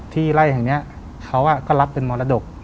ไล่แห่งนี้เขาก็รับเป็นมรดก